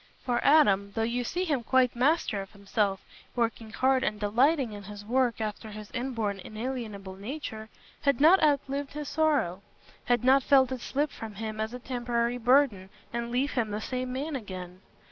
For Adam, though you see him quite master of himself, working hard and delighting in his work after his inborn inalienable nature, had not outlived his sorrow—had not felt it slip from him as a temporary burden, and leave him the same man again.